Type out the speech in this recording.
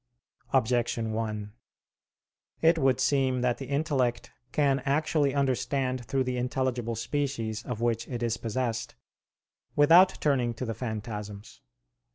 Objection 1: It would seem that the intellect can actually understand through the intelligible species of which it is possessed, without turning to the phantasms.